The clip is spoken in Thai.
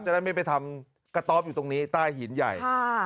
ได้ไม่ไปทำกระต๊อบอยู่ตรงนี้ใต้หินใหญ่